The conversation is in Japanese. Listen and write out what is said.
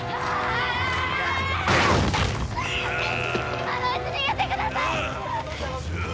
今のうちに逃げてください！